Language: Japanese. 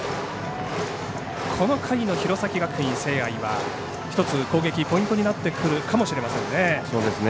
この回の弘前学院聖愛は１つ攻撃、ポイントになってくるかもしれませんね。